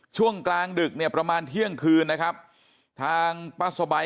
ช่วงกลางดึกเนี่ยประมาณเที่ยงคืนนะครับทางป้าสบาย